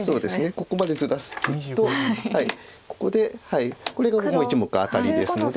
ここまでずらしていくとここでこれがもう１目アタリですので。